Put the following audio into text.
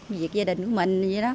việc gia đình của mình vậy đó